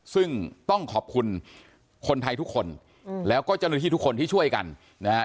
ซึ่งต้องขอบคุณคนไทยทุกคนแล้วก็เจ้าหน้าที่ทุกคนที่ช่วยกันนะฮะ